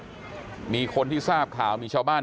แต่ว่าวินนิสัยดุเสียงดังอะไรเป็นเรื่องปกติอยู่แล้วครับ